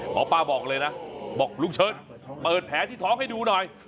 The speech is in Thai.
หมอปลาบอกเลยนะบอกลุงเชิดเปิดแผลที่ท้องให้ดูหน่อย